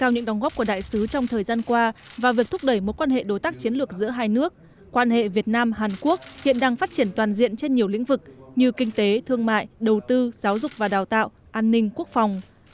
những đồng góp của đại sứ trong thời gian qua và việc thúc đẩy mối quan hệ đối tác chiến lược giữa hai nước quan hệ việt nam hàn quốc hiện đang phát triển toàn diện trên nhiều lĩnh vực như kinh tế thương mại đầu tư giáo dục và đào tạo an ninh quốc phòng